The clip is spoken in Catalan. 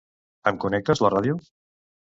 Em connectes la ràdio?